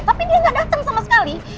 tapi dia gak dateng sama sekali